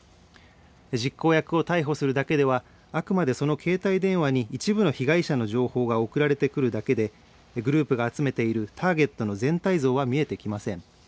実行役を逮捕するだけではあくまで、その携帯電話に一部の被害者の情報が送られてくるだけでグループが集めているターゲットの全体像は見えてきません。